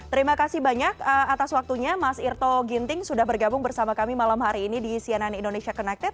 terima kasih banyak atas waktunya mas irto ginting sudah bergabung bersama kami malam hari ini di cnn indonesia connected